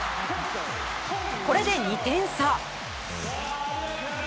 これで２点差。